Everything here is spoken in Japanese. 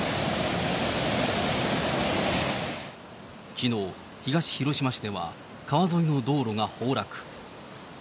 きのう、東広島市では川沿いの道路が崩落。